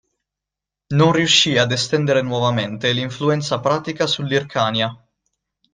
Non riuscì ad estendere nuovamente l'influenza partica sull'Ircania.